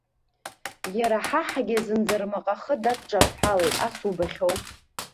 Иара ҳаҳгьы зынӡа рмаҟа-хы дадҿарҳәалеит, ас убахьоу!